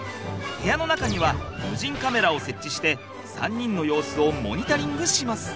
部屋の中には無人カメラを設置して３人の様子をモニタリングします。